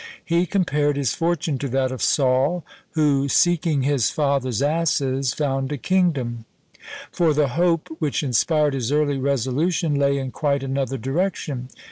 He compared his fortune to that of Saul, who, seeking his father's asses, found a kingdom. For the hope which inspired his early resolution lay in quite another direction.